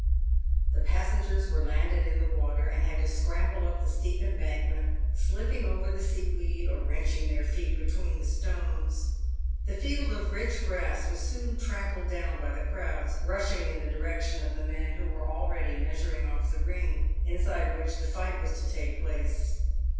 The passengers were landed in the water, and had to scramble up the steep embankment, slipping over the sea weed or wrenching their feet between the stones. The field of rich grass was soon trampled down by the crowds rushing in the direction of the men who were already measuring off the ring, inside which the fight was to take place.